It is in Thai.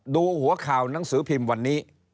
ดูหัวข่าวหนังสือพิมพ์วันนี้